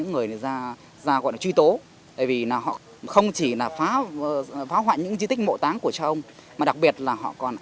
nơi tới trốn